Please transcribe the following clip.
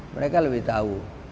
mereka lebih tahu